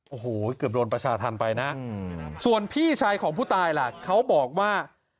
โอ้โหเกือบโดนประชาธรรมไปนะส่วนพี่ชายของผู้ตายล่ะเขาบอกว่า